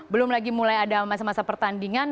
belum lagi mulai ada masa masa pertandingan